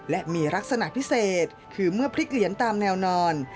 และมีลักษณะพิเศษคือเมื่อพลิกเหรียญตามแนวนอน